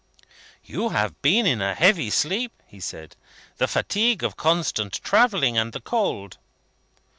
"You have been in a heavy sleep," he said. "The fatigue of constant travelling and the cold!"